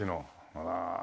あら。